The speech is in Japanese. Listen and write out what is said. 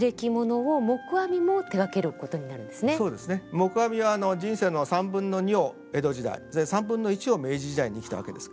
黙阿弥は人生の３分の２を江戸時代３分の１を明治時代に生きたわけです。